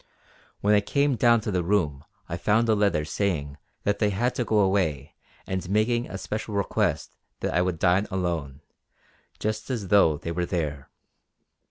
When I came down to the room I found a letter saying that they had to go away and making a special request that I would dine alone, just as though they were there.